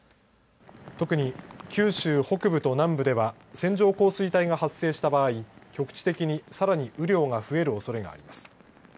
特に、九州北部と南部では線状降水帯が発生した場合局地的に、さらに雨量が増えるおそれがあります。